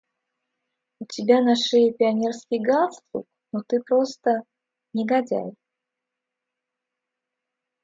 У тебя на шее пионерский галстук, но ты просто… негодяй.